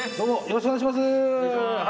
よろしくお願いします。